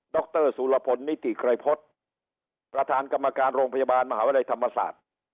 รสุรพลนิติไกรพฤษประธานกรรมการโรงพยาบาลมหาวิทยาลัยธรรมศาสตร์